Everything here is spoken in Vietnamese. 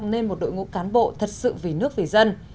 nên một đội ngũ cán bộ thật sự vì nước vì dân